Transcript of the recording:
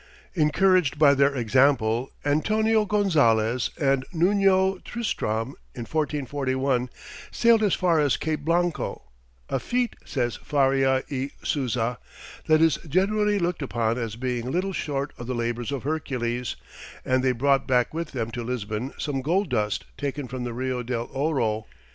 Encouraged by their example, Antonio Gonzalès, and Nuño Tristram, in 1441, sailed as far as Cape Blanco, "a feat," says Faria y Souza "that is generally looked upon as being little short of the labours of Hercules," and they brought back with them to Lisbon some gold dust taken from the Rio del Ouro.